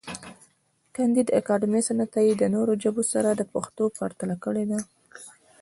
کانديد اکاډميسن عطایي د نورو ژبو سره د پښتو پرتله کړې ده.